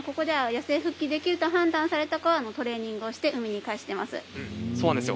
野生復帰できると判断された子はトレーニングして海に返しています。